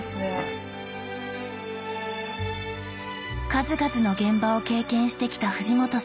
数々の現場を経験してきた藤本さん。